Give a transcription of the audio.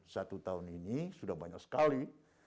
satu tahun ini sudah banyak sekali